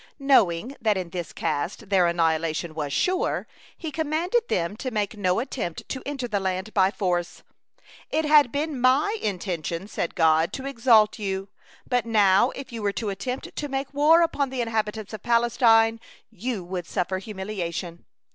Knowing that in this cast their annihilation was sure, He commanded them to make no attempt to enter the land by force. "It had been My intention," said God, "to exalt you, but now if you were to attempt to make war upon the inhabitants of Palestine, you would suffer humiliation."